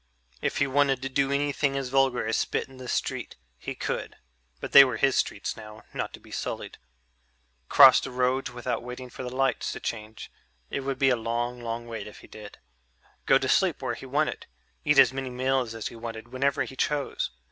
If he wanted to do anything as vulgar as spit in the street, he could (but they were his streets now, not to be sullied) ... cross the roads without waiting for the lights to change (it would be a long, long wait if he did) ... go to sleep when he wanted, eat as many meals as he wanted whenever he chose....